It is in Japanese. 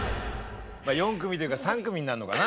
４組というか３組になんのかな。